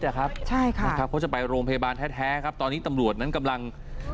เพราะจะไปโรงพยาบาลแท้ครับตอนนี้ตำรวจนั้นกำลัง